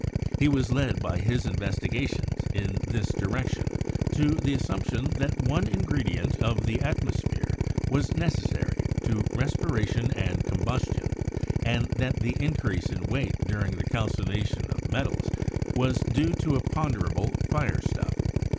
He was led by his investigations in this direction to the assumption that one ingredient of the atmosphere was necessary to respiration and combustion, and that the increase in weight during the calcination of metals was due to a ponderable firestufT.